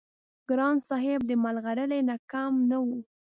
ګران صاحب د ملغلرې نه کم نه وو-